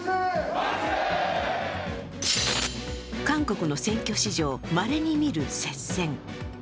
韓国の選挙史上まれに見る接戦。